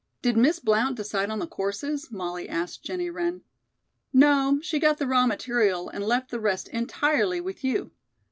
"Did Miss Blount decide on the courses?" Molly asked Jennie Wren. "No; she got the raw material and left the rest entirely with you.